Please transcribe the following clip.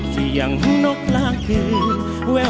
สียังนกลางคืน